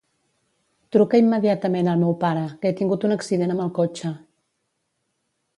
Truca immediatament al meu pare, que he tingut un accident amb el cotxe.